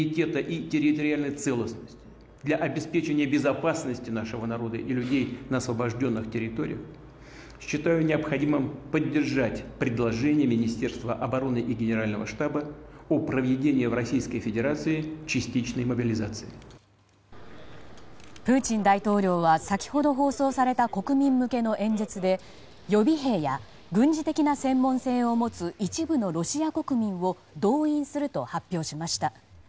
プーチン大統領は先ほど放送された国民向けの演説で予備兵や軍事的な専門性を持つ一部のロシア国民を動員すると発表しました。